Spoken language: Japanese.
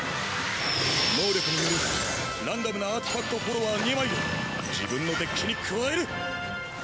能力によりランダムなアーティファクトフォロワー２枚を自分のデッキに加える。